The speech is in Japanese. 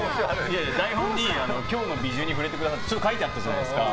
台本に今日のビジュに触れてくださいって書いてあったじゃないですか。